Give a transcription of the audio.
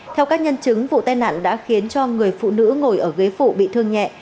theo các nhân chứng vụ tai nạn đã khiến cho người phụ nữ ngồi ở ghế phụ bị thương nhẹ